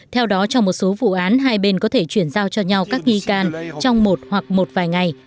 theo đó trong một số vụ án hai bên có thể chuyển giao cho nhau các nghi can trong một hoặc một vài ngày